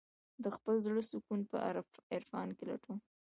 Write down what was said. د خپل زړه سکون په عرفان کې لټوم.